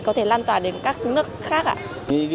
có thể lan tỏa đến các nước khác ạ